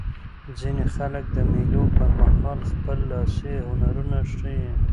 ځیني خلک د مېلو پر مهال خپل لاسي هنرونه ښيي.